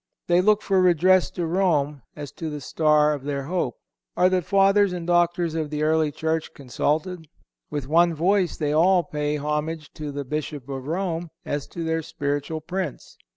They look for redress to Rome, as to the star of their hope. Are the Fathers and Doctors of the early Church consulted? With one voice they all pay homage to the Bishop of Rome as to their spiritual Prince.